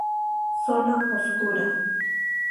Zona oscura.